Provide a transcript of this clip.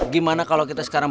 gimana kalau kita sekarang